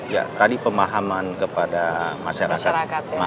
ya tadi pemahaman kepada masyarakat